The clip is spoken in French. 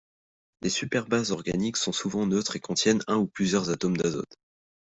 Les superbases organiques sont souvent neutres et contiennent un ou plusieurs atomes d'azote.